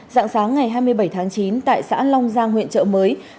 dạng sáng ngày hai mươi bảy tháng chín tại xã long giang huyện trợ mới